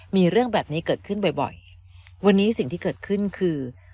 มีเรื่องแบบนี้เกิดขึ้นบ่อยบ่อยวันนี้สิ่งที่เกิดขึ้นคือ